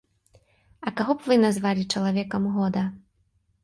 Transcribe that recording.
А каго б вы назвалі чалавека года?